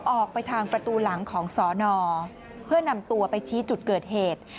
ออกไปทางประตูหลังของสอนอเพื่อนำตัวไปชี้จุดเกิดเหตุ